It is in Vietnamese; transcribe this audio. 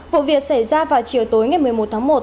vụ việc xảy ra vào chiều tối ngày một mươi một tháng một